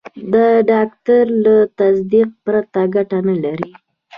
د ډاکټر له تصدیق پرته ګټه نه لري.